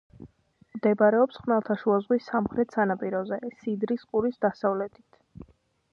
მდებარეობს ხმელთაშუა ზღვის სამხრეთ სანაპიროზე, სიდრის ყურის დასავლეთით.